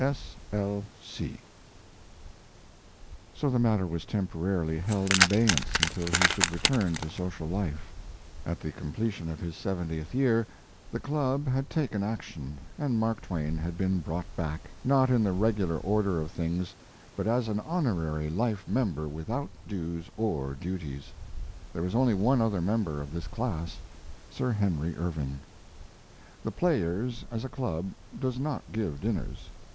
S. L. C. So the matter was temporarily held in abeyance until he should return to social life. At the completion of his seventieth year the club had taken action, and Mark Twain had been brought back, not in the regular order of things, but as an honorary life member without dues or duties. There was only one other member of this class, Sir Henry Irving. The Players, as a club, does not give dinners.